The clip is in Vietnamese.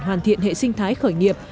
hoàn thiện hệ sinh thái khởi nghiệp